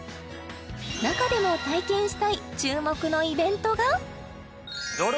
中でも体験したい注目のイベントが？